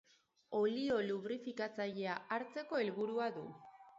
Olio lubrifikatzailea hartzeko helburua du.